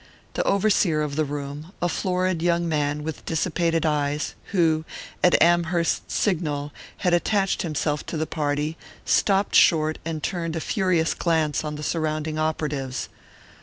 The overseer of the room, a florid young man with dissipated eyes, who, at Amherst's signal, had attached himself to the party, stopped short and turned a furious glance on the surrounding operatives.